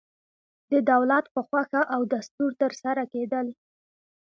د دولت په خوښه او دستور ترسره کېدل.